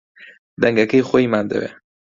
دەنگەکەی خۆیمان دەوێ